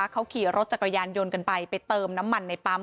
เขาขี่รถจักรยานยนต์กันไปไปเติมน้ำมันในปั๊ม